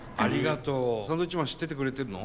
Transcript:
サンドウィッチマン知っててくれてるの？